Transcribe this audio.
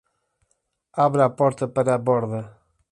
Abra a porta para a borda!